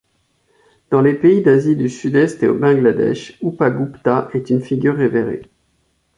Dans les pays d'Asie du Sud-Est et au Bangladesh, Upagupta est une figure révérée.